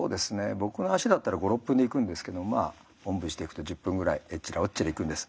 僕の足だったら５６分で行くんですけどおんぶしていくと１０分ぐらいえっちらおっちら行くんです。